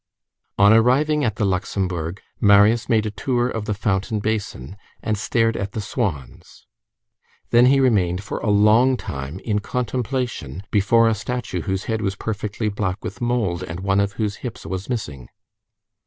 On arriving at the Luxembourg, Marius made the tour of the fountain basin, and stared at the swans; then he remained for a long time in contemplation before a statue whose head was perfectly black with mould, and one of whose hips was missing.